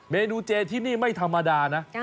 เมนูเจที่นี่ไม่ธรรมดานะ